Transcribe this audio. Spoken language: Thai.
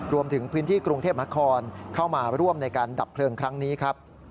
รวมถึงพื้นที่กรุงเทพนครเข้ามาร่วมในการดับเพลิงครั้งนี้ครับ